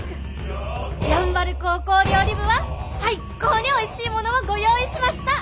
山原高校料理部は最高においしいものをご用意しました！